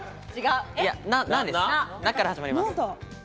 なから始まります。